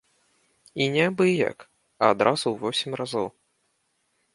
І не абы як, а адразу ў восем разоў.